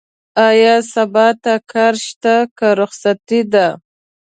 ايا سبا ته کار شته؟ که رخصتي ده؟